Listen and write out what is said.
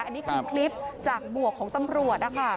อันนี้คือคลิปจากบวกของตำรวจนะคะ